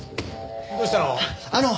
どうしたの？